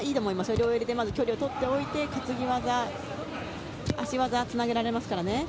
両襟で距離をとっておいて担ぎ技、足技につなげられますからね。